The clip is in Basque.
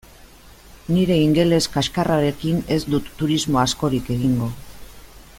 Nire ingeles kaxkarrarekin ez dut turismo askorik egingo.